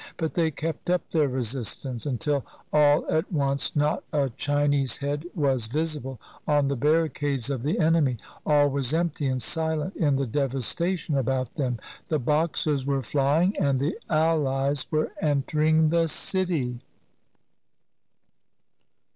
But they kept up their resistance, until all at once not a Chinese head was visible on the barricades of the enemy; all was empty and silent in the devastation about them; the Boxers were flying and the Allies were entering the city